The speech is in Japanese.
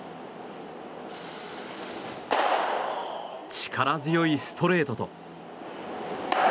力強いストレートと。